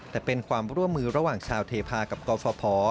แต่เป็นความร่วมมือระหว่างชาวเทพากับกฟภ